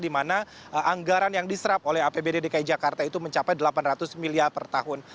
di mana anggaran yang diserap oleh apbd dki jakarta itu mencapai delapan ratus miliar per tahun